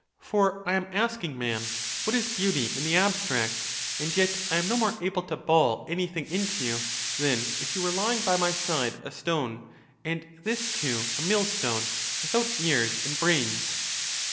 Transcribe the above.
235 For I am asking, man, what is beauty in the abstract ; and yet Tam no more able to bawl® any thing into you, than if you were lying by my side a stone, and this too a mill stone,? without ears and brains.